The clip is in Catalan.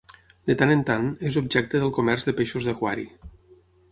De tant en tant, és objecte del comerç de peixos d'aquari.